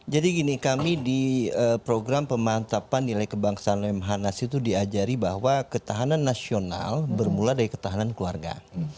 jadi gini kami di program pemahaman nilai kebangsaan lembahan nasi itu diajari bahwa ketahanan nasional bermula dari ketahanan keluarga